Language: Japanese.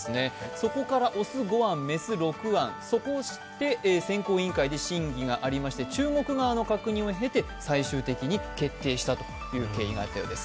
そこから雄５案、雌６案、選考委員会で審議がありまして中国側の確認を経て最終的に決定したという経緯があったようです。